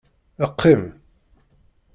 Qqim.